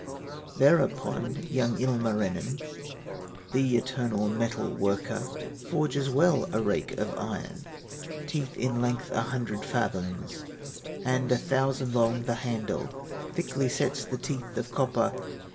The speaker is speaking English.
Thereupon young Ilmarinen, The eternal metal worker, Forges well a rake of iron, Teeth in length a hundred fathoms, And a thousand long the handle, Thickly sets the teeth of copper.